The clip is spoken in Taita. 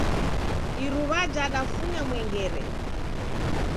Iruwa jadafunya mwengere